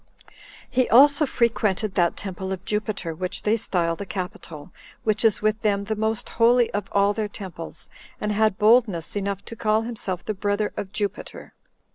He also frequented that temple of Jupiter which they style the Capitol, which is with them the most holy of all their temples, and had boldness enough to call himself the brother of Jupiter.